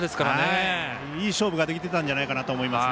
いい勝負ができてたんじゃないかなと思います。